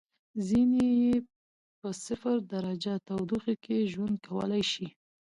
ځینې یې په صفر درجه تودوخې کې ژوند کولای شي.